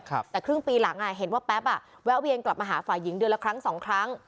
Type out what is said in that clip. แต่ครึ่งปีหลังอ่ะเห็นว่าแป๊บอ่ะแวะเวียนกลับมาหาฝ่ายหญิงเดือนละครั้งสองครั้ง